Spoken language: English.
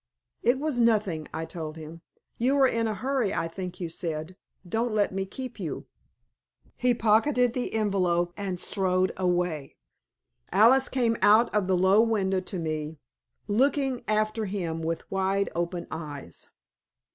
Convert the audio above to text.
"It was nothing," I told him. "You are in a hurry, I think you said. Don't let me keep you." He pocketed the envelope and strode away. Alice came out of the low window to me, looking after him with wide open eyes.